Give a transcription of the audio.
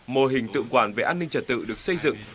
mô hình tự quản về an ninh trật tự được xây dựng